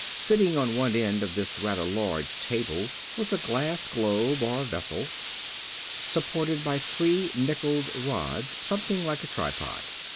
Sitting on one end of this rather large table was a glass globe or vessel, supported by three nickeled rods, something like a tripod.